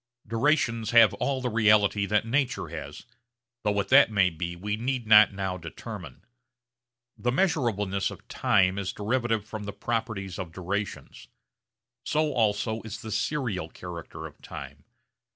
Durations have all the reality that nature has, though what that may be we need not now determine. The measurableness of time is derivative from the properties of durations. So also is the serial character of time.